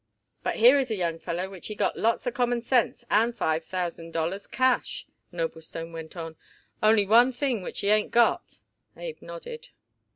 "But here is a young feller which he got lots of common sense and five thousand dollars cash," Noblestone went on. "Only one thing which he ain't got." Abe nodded.